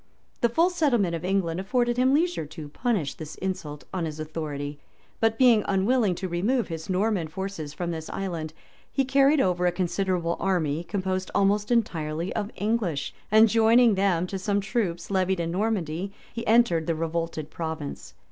The full settlement of England afforded him leisure to punish this insult on his authority; but being unwilling to remove his Norman forces from this island, he carried over a considerable army, composed almost entirely of English, and joining them to some troops levied in Normandy, he entered the revolted province.